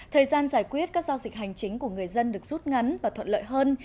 thời gian giải quyết các giao dịch hành chính của người dân được rút ngắn và thuận lợi hơn